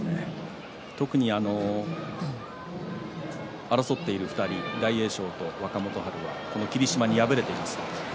特に争っている２人大栄翔と若元春はこの霧島に敗れています。